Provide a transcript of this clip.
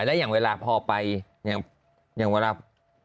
และอย่างเวลาพอไปอย่างเวลา